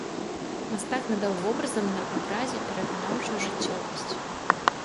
Мастак надаў вобразам на абразе пераканаўчую жыццёвасць.